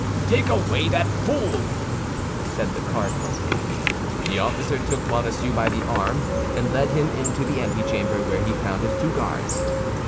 "Take away that fool!" said the cardinal. The officer took Bonacieux by the arm, and led him into the antechamber, where he found his two guards.